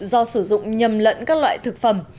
do sử dụng nhầm lẫn các loại thực phẩm